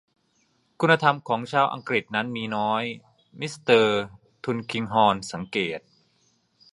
คุณธรรมของชาวอังกฤษนั้นมีน้อย มิสเตอร์ทุลคิงฮอร์นสังเกต